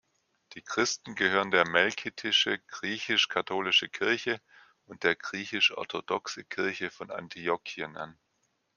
Die Christen gehören der Melkitische Griechisch-katholische Kirche und der Griechisch-orthodoxe Kirche von Antiochien an.